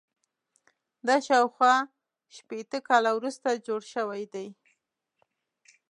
دا شاوخوا شپېته کاله وروسته جوړ شوی دی.